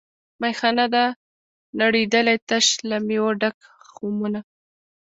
میخانه ده نړېدلې تش له میو ډک خُمونه